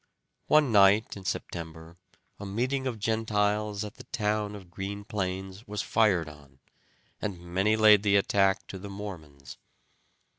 One night in September a meeting of Gentiles at the town of Green Plains was fired on, and many laid the attack to the Mormons.